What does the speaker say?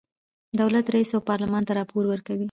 دولت رئیس او پارلمان ته راپور ورکوي.